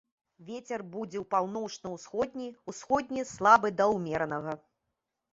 Вецер будзе паўночна-ўсходні, усходні слабы да ўмеранага.